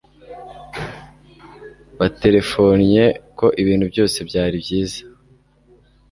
Baterefonnye ko ibintu byose byari byiza